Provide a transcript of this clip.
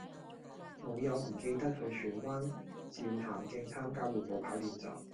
老友唔記得去荃灣照潭徑參加緩步跑練習